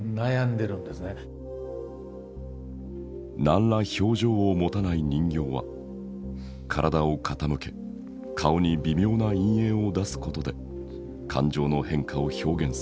何ら表情を持たない人形は体を傾け顔に微妙な陰影を出すことで感情の変化を表現する。